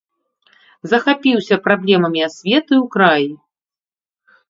Захапіўся праблемамі асветы ў краі.